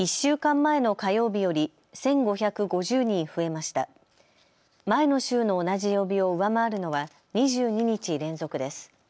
前の週の同じ曜日を上回るのは２２日連続です。